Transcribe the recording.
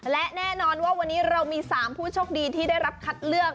และแน่นอนว่าวันนี้เรามี๓ผู้โชคดีที่ได้รับคัดเลือก